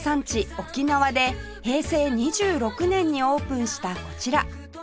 沖縄で平成２６年にオープンしたこちら